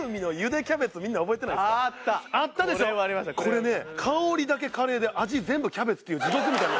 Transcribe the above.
これね香りだけカレーで味全部キャベツっていう地獄みたいな。